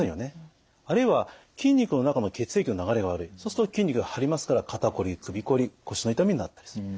あるいは筋肉の中の血液の流れが悪いそうすると筋肉が張りますから肩こり首こり腰の痛みになったりする。